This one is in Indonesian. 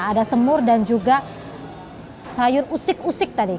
ada semur dan juga sayur usik usik tadi